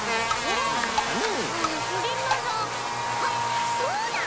うんそれならあっそうだ！